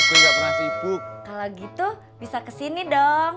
kalau gitu bisa kesini dong